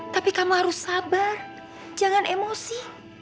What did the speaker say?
tapi kamu harus sabar jangan emosi